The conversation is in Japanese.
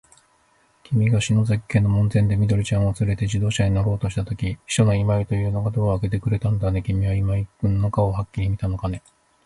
きみが篠崎家の門前で、緑ちゃんをつれて自動車に乗ろうとしたとき、秘書の今井というのがドアをあけてくれたんだね。きみは今井君の顔をはっきり見たのかね。